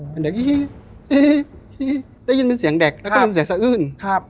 แจ๊กอิฮิอิฮิอิฮิได้ยินเป็นเสียงแจ๊กแล้วก็เป็นเสียงสะอื้น